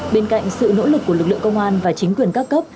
bên cạnh sự nỗ lực của lực lượng công an và chính quyền các cấp